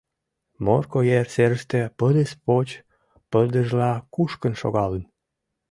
Морко ер серыште пырыс поч пырдыжла кушкын шогалын.